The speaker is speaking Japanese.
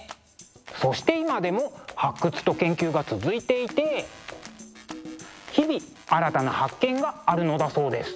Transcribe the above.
そして今でも発掘と研究が続いていて日々新たな発見があるのだそうです。